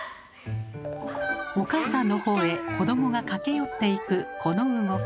お母さんの方へ子どもが駆け寄っていくこの動き。